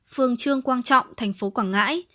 phương trương quan trọng thành phố quảng ngãi